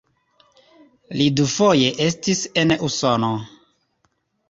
Li dufoje estis en Usono.